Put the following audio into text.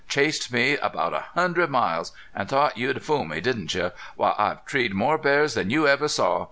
Chased me about a hundred miles ! An' thought you'd fool me, didn't you? Why, I've treed more bears than you ever saw